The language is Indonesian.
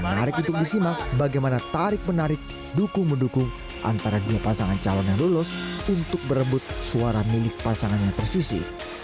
menarik untuk disimak bagaimana tarik menarik dukung mendukung antara dua pasangan calon yang lulus untuk berebut suara milik pasangan yang tersisi